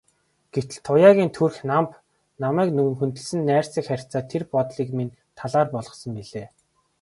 Гэтэл Туяагийн төрх намба, намайг хүндэлсэн найрсаг харьцаа тэр бодлыг минь талаар болгосон билээ.